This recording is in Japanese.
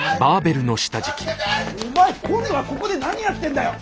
お前今度はここで何やってんだよ。